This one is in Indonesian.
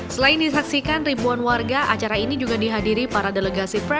selain disaksikan ribuan warga acara ini juga dihadiri para delegasi